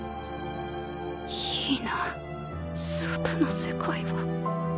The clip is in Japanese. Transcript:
いいなぁ外の世界は。